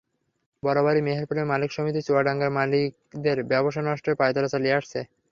বরাবরই মেহেরপুরের মালিক সমিতি চুয়াডাঙ্গার মালিকদের ব্যবসা নষ্টের পাঁয়তারা চালিয়ে আসছে।